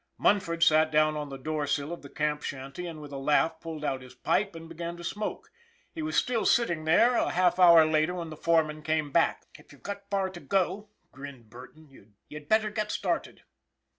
Munford sat down on the doorsill of the camp shanty and with a laugh pulled out his pipe and be gan to smoke. He was still sitting there a half hour later when the foreman came back. " If you've got far to go," grinned Burton, you'd better get started."